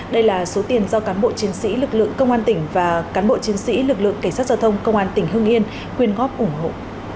đây là số tiền do cán bộ chiến sĩ lực lượng công an tỉnh và cán bộ chiến sĩ lực lượng cảnh sát giao thông công an tỉnh hưng yên quyên góp ủng hộ